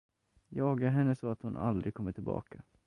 Jaga henne så, att hon aldrig kommer tillbaka!